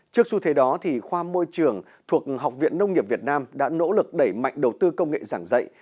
trước xu thế đó thì khoa môi trường thuộc học viện nông nghiệp việt nam đã nỗ lực đẩy mạnh đầu tư công nghệ giảng dạy